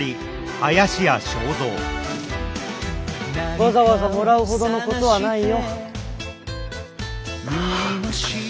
わざわざもらうほどのことはないよ。